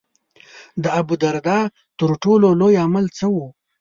د ابوالدرداء تر ټولو لوی عمل څه و.